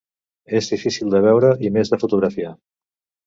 És difícil de veure i més de fotografiar.